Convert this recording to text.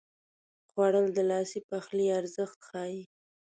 خوړل د لاسي پخلي ارزښت ښيي